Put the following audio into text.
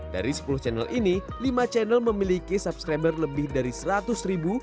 dari sepuluh channel ini lima channel memiliki subscriber lebih dari seratus ribu